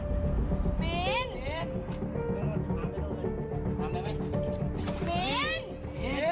มีฟรี